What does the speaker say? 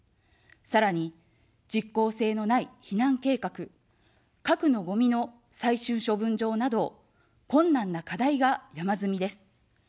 さらに、実効性のない避難計画、核のごみの最終処分場など、困難な課題が山積みです。